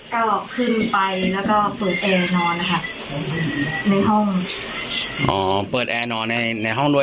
ก็ขึ้นไปแล้วก็เปิดแอร์นอนนะคะในห้องอ๋อเปิดแอร์นอนในในห้องด้วย